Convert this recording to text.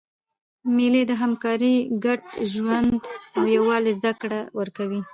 مېلې د همکارۍ، ګډ ژوند او یووالي زدهکړه ورکوي.